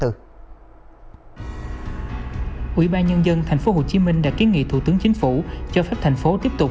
ubnd tp hcm đã kiến nghị thủ tướng chính phủ cho phép thành phố tiếp tục